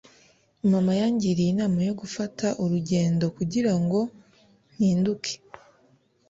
Mama yangiriye inama yo gufata urugendo kugirango mpinduke.